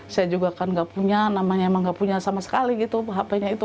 saya juga kan gak punya namanya emang gak punya sama sekali gitu hp nya itu